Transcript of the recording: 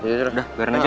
udah biarin aja